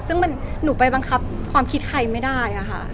ซึ่งหนูไปบังคับความคิดใครไม่ได้อะค่ะ